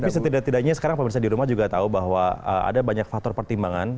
tapi setidak tidaknya sekarang pemirsa di rumah juga tahu bahwa ada banyak faktor pertimbangan